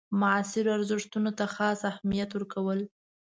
معاصرو ارزښتونو ته خاص اهمیت ورکول.